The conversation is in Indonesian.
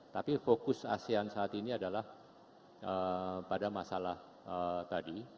tapi fokus asean saat ini adalah pada masalah tadi